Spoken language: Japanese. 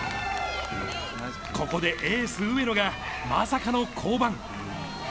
ここでエース、上野がまさかの降板。